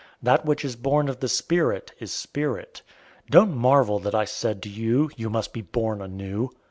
That which is born of the Spirit is spirit. 003:007 Don't marvel that I said to you, 'You must be born anew.'